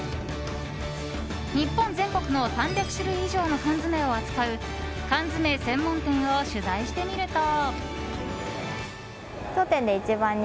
日本全国の３００種類以上の缶詰を扱う缶詰専門店を取材してみると。